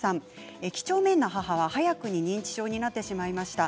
きちょうめんな母が早くに認知症になってしまいました。